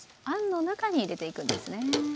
あんの中に入れていくんですね。